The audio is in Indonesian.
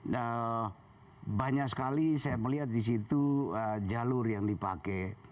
nah banyak sekali saya melihat di situ jalur yang dipakai